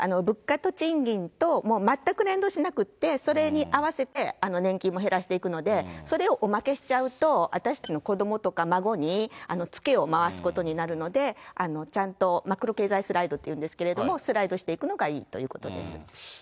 物価と賃金ともう全く連動しなくって、それに合わせて、年金も減らしていくので、それをおまけしちゃうと、私たちの子どもとか、孫につけを回すことになるので、ちゃんとマクロ経済スライドって言うんですけれども、スライドしていくのがいいということです。